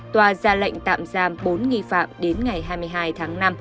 tòa ra lệnh tạm giam bốn nghi phạm đến ngày hai mươi hai tháng năm